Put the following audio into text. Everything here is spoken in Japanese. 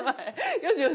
よしよし。